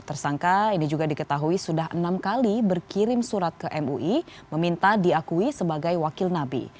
tersangka ini juga diketahui sudah enam kali berkirim surat ke mui meminta diakui sebagai wakil nabi